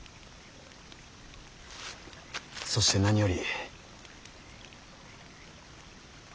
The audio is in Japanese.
そして何より。